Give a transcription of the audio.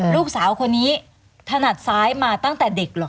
ลูกสาวคนนี้ถนัดซ้ายมาตั้งแต่เด็กเหรอ